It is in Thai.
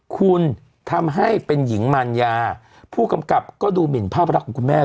คุณทำให้เป็นหญิงมันยาผู้กำกับก็ดูหมินภาพรักของคุณแม่